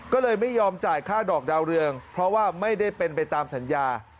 ก็เลยไม่ยอมจ่ายค่าดอกดาวเรืองเพราะว่าไม่ได้เป็นไปตามสัญญา